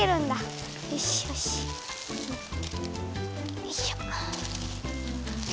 よいしょ。